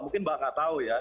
mungkin mbak nggak tahu ya